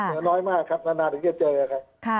เจอน้อยมากครับนานถึงจะเจอค่ะ